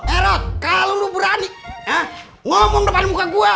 erot kalau lu berani ngomong depan muka gua